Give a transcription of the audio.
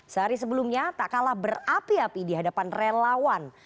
sehari sebelumnya tak kalah berapi api di hadapan relawan